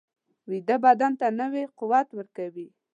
ویده بدن ته نوی قوت ورکوي